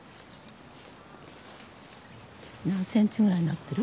何センチぐらいになってる？